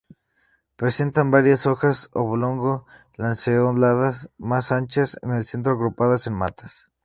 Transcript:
Presentan varias hojas oblongo lanceoladas más anchas en el centro, agrupadas en matas.